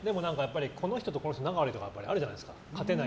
この人とこの人は仲悪いってあるじゃないですか。